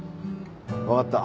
わかった。